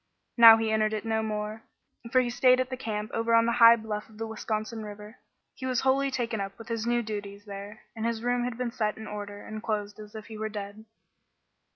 Now he entered it no more, for he stayed at the camp over on the high bluff of the Wisconsin River. He was wholly taken up with his new duties there, and his room had been set in order and closed as if he were dead.